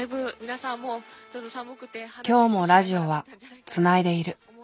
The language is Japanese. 今日もラジオはつないでいる。